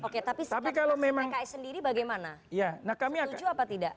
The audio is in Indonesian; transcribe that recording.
oke tapi setelah tujuan mereka sendiri bagaimana setuju apa tidak